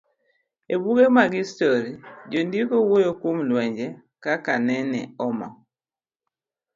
E buge mag histori, jondiko wuoyo kuom lwenje, kaka nene oma